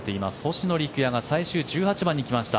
星野陸也が最終１８番に来ました。